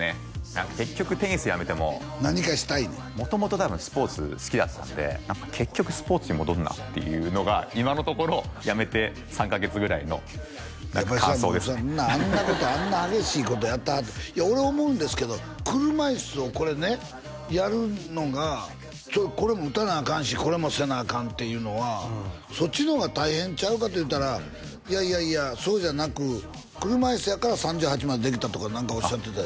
何か結局テニスやめても何かしたいねん元々多分スポーツ好きだったんで何か結局スポーツに戻るなっていうのが今のところやめて３カ月ぐらいの何か感想ですねあんなことあんな激しいことやってはって俺思うんですけど車いすをこれねやるのがこれも打たなアカンしこれもせなアカンっていうのはそっちの方が大変ちゃうかというたらいやいやいやそうじゃなく車いすやから３８までできたとか何かおっしゃってた